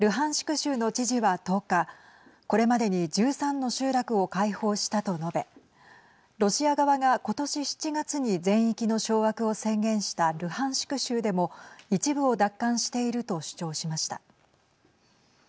州の知事は１０日これまでに１３の集落を解放したと述べロシア側が今年７月に全域の掌握を宣言したルハンシク州でも一部を奪還していると主張しました。